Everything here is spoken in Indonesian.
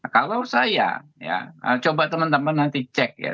kalau saya ya coba teman teman nanti cek ya